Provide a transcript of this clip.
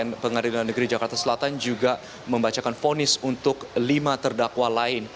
dan pengadilan negeri jakarta selatan juga membacakan fonis untuk lima terdakwa lain